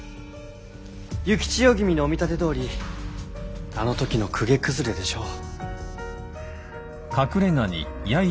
幸千代君のお見立てどおりあのときの公家崩れでしょう。